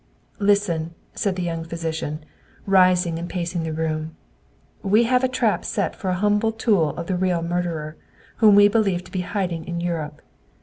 "Listen!" said the young physician, rising and pacing the room. "We have a trap set for a humble tool of the real murderer, whom we believe to be hiding in Europe.